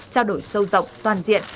trao đổi sâu rộng toàn diện